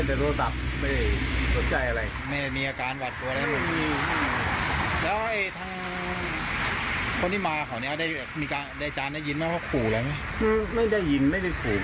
นึกว่าคนในตอนสู่โบสถิฐาไม่กลัวนะ